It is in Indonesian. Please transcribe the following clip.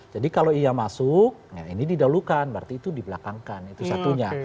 jadi kalau ia masuk ini didalukan berarti itu dibelakangkan itu satunya